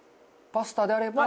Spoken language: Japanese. パスタであれば。